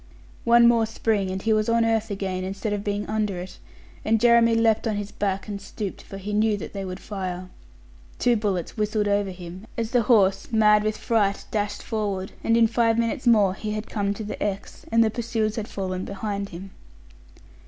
One more spring, and he was on earth again, instead of being under it; and Jeremy leaped on his back, and stooped, for he knew that they would fire. Two bullets whistled over him, as the horse, mad with fright, dashed forward; and in five minutes more he had come to the Exe, and the pursuers had fallen behind him.